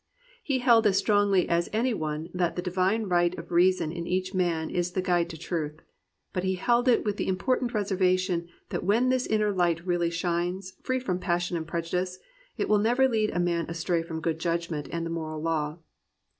He held as strongly as any one that the Divine light of reason in each man is the guide to truth; but he held it with the important reservation that when this inner light really shines, free from jmssion and prejudice, it will never lead a man away from good judgment and the moral law.